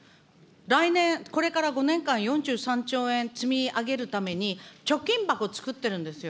来年、これから５年間、４３兆円積み上げるために、貯金箱作ってるんですよ。